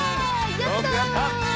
やった！